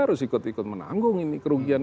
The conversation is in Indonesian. harus ikut ikut menanggung ini kerugian